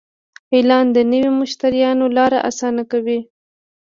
اعلان د نوي مشتریانو لاره اسانه کوي.